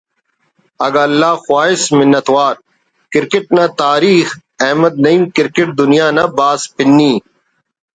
اگہ اللہ خواہس منت وار کرکٹ نا تاریخ احمد نعیم کرکٹ دنیا نا بھاز پنی